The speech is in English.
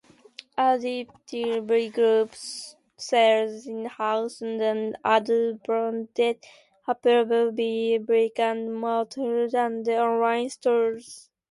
Aditya Birla Group sells in-house and other branded apparel via brick-and-mortar and online stores.